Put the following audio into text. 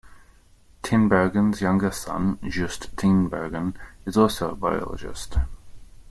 Tinbergen's younger son, Joost Tinbergen, is also a biologist.